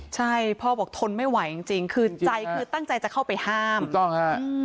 ใช่พ่อบอกทนไม่ไหวจริงคือใจคือตั้งใจจะเข้าไปห้ามถูกต้องฮะ